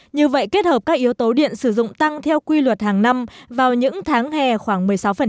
như vậy kết hợp các yếu tố điện sử dụng tăng theo quy luật hàng năm vào những tháng hè khoảng một mươi sáu